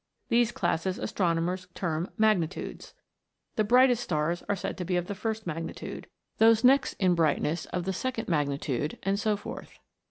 These classes astronomers term 'magnitudes. The brightest stars are said to be of the first magnitude ; those next in brightness of the second magnitude, and so forth.